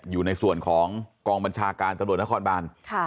อยู่ในส่วนของกองบัญชาการตำรวจนครบาน